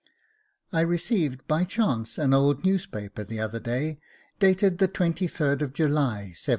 I received by chance an old newspaper the other day, dated the 23rd July 1779.